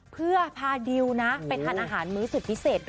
เพื่อพาดิวนะไปทานอาหารมื้อสุดพิเศษด้วย